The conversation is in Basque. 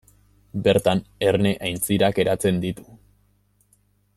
Bertan Erne aintzirak eratzen ditu.